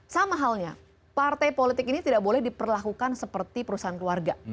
sama halnya partai politik ini tidak boleh diperlakukan seperti perusahaan keluarga